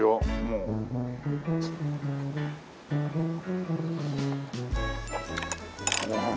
うん。